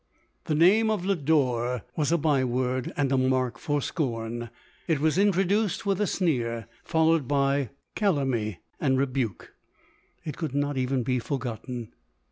The name of Lodore was a by word and a mark for scorn ; it was introduced with a sneer, followed by calumny and rebuke. It could not even be forgotten.